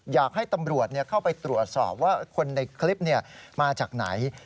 อยากให้ตำรวจเข้าไปตรวจสอบว่าคนในคลิปมาจากไหน